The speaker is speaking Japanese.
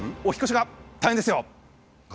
お引っ越しが大変ですよ。